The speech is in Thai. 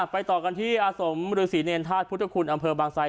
เป้ต่อกันที่อสมฤษีนียนธาตุพุทธคุณอำเภอบางไซค์